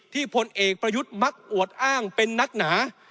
พลเอกประยุทธ์มักอวดอ้างเป็นนักหนา